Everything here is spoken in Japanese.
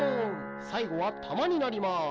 さいごはたまになります。